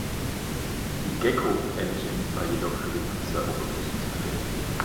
Die Gecko-Engine war jedoch für die Benutzeroberfläche zuständig.